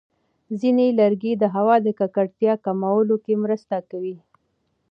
ځینې لرګي د هوا د ککړتیا کمولو کې مرسته کوي.